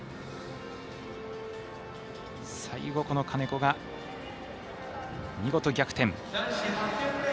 最後、金子が見事逆転。